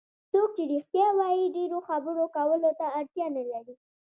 څوک چې رښتیا وایي ډېرو خبرو کولو ته اړتیا نه لري.